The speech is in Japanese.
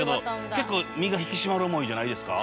結構身が引き締まる思いじゃないですか？